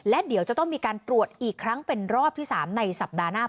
และเดี๋ยวจะต้องมีการตรวจอีกครั้งเป็นรอบที่๓ในสัปดาห์หน้า